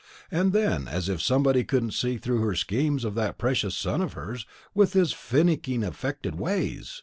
And then, as if anybody couldn't see through her schemes about that precious son of hers with his finicking affected ways!"